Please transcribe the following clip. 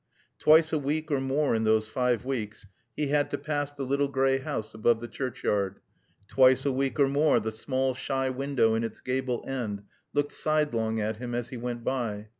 Twice a week or more in those five weeks he had to pass the little gray house above the churchyard; twice a week or more the small shy window in its gable end looked sidelong at him as he went by.